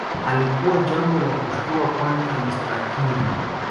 Halikuwa jambo la kushtua kwani alistahili